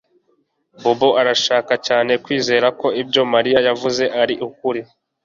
Bobo arashaka cyane kwizera ko ibyo Mariya yavuze ari ukuri